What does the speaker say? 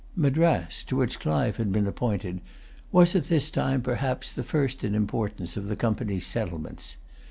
Madras, to which Clive had been appointed, was, at this time, perhaps, the first in importance of the Company's settlements.